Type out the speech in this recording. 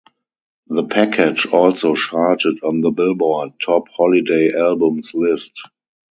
The package also charted on the "Billboard" Top Holiday Albums list.